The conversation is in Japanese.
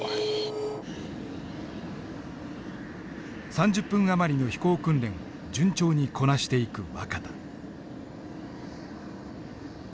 ３０分余りの飛行訓練を順調にこなしていく若田。